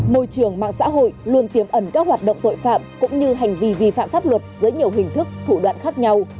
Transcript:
môi trường mạng xã hội luôn tiếm ẩn các hoạt động tội phạm cũng như hành vi vi phạm pháp luật